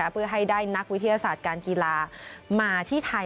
เพื่อให้ได้นักวิทยาศาสตร์การกีฬามาที่ไทย